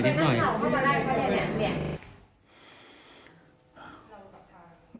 ไปนักข่าวเข้ามาได้ก็ได้เนี่ย